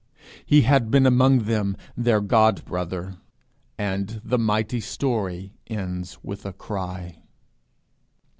He had been among them, their God brother. And the mighty story ends with a cry.